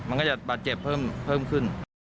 มันก็จะบาดเจ็บเพิ่มขึ้น